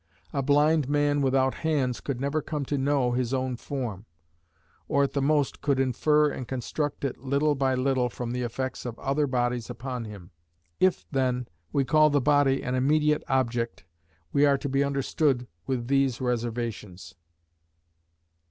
A blind man without hands could never come to know his own form; or at the most could infer and construct it little by little from the effects of other bodies upon him. If, then, we call the body an immediate object, we are to be understood with these reservations.